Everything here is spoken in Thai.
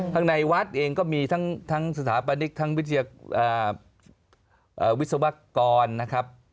ในวัดเองก็มีทั้งสถาปนิกทั้งวิศวกรนะครับ